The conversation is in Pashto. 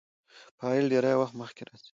فاعل ډېرى وخت مخکي راځي.